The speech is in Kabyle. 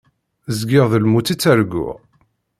Zgiɣ d lmut i ttarguɣ.